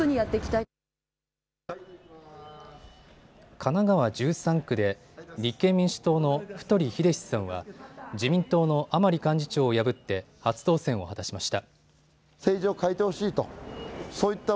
神奈川１３区で立憲民主党の太栄志さんは自民党の甘利幹事長を破って初当選を果たしました。